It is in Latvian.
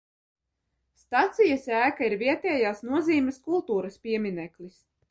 Stacijas ēka ir vietējās nozīmes kultūras piemineklis.